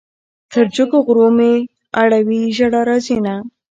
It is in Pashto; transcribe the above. تر جګو غرو مې اړوي ژړا راځينه